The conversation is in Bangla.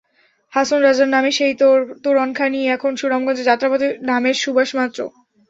হাসন রাজার নামে সেই তোরণখানিই এখন সুনামগঞ্জে যাত্রাপথে নামের সুবাস মাত্র।